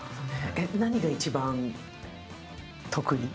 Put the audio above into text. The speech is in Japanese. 何が一番得意？